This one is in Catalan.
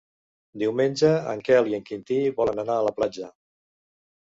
Diumenge en Quel i en Quintí volen anar a la platja.